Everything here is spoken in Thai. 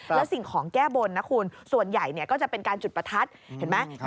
แล้วสิ่งของแก้บนนะคุณส่วนใหญ่ก็จะเป็นการจุดประทัดเห็นไหม